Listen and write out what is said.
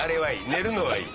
寝るのはいい。